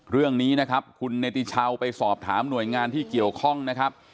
เรื่องนี้นะครับคุณเนติชาวไปสอบถามหน่วยงานที่เกี่ยวข้องนะครับ